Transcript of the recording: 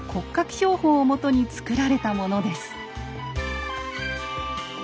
標本をもとに作られたものです。